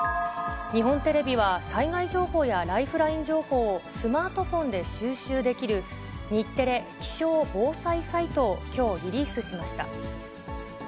日本テレビは、災害情報やライフライン情報をスマートフォンで収集できる日テレ気象・防災サイトを、きょう、リリースしました。